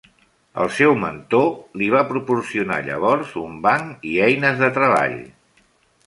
El seu mentor li va proporcionar llavors un banc i eines de treball.